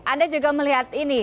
anda juga melihat ini